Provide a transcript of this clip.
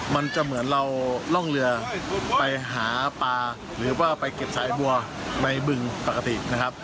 มันจะเหมือนเราร่องเรือไปหาปลาหรือว่าไปเก็บสายบัวในบึงปกตินะครับ